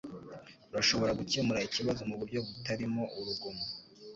Urashobora gukemura ikibazo muburyo butarimo urugomo